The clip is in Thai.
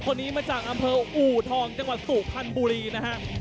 คนนี้มาจากอำเภออูทองจังหวัดสุพรรณบุรีนะฮะ